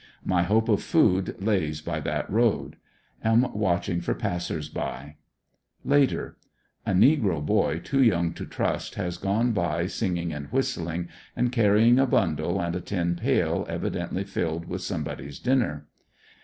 My hope of food lays by that road. Am watching for passers by. Later. — 122 ANDERSONVILLE DIARY. A negro boy too young to trust has gone by singing and whistling, and carrying a bundle and a tin pail evidently filled with some body's dinner.